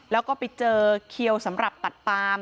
แล้วก็ไปเจอเขียวสำหรับตัดปาม